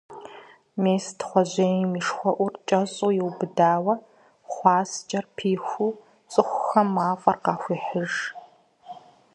Мес Тхъуэжьейм и шхуэӀур кӀэщӀу иубыдауэ, хъуаскӀэр пихыу, цӀыхухэм мафӀэр къахуехьыж.